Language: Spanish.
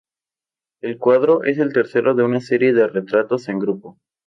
El cuadro es el tercero de una serie de retratos en grupo.